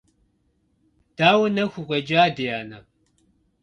Дауэ нэху укъекӀа, ди анэ?